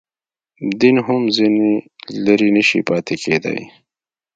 دین هم ځنې لرې نه شي پاتېدای.